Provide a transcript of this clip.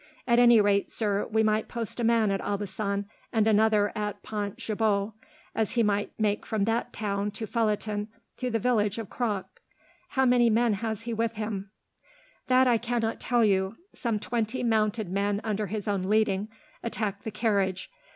At any rate, sir, we might post a man at Aubusson, and another at Pont Gibaut, as he might make from that town to Felletin through the village of Croc. How many men has he with him?" "That I cannot tell you. Some twenty mounted men, under his own leading, attacked the carriage.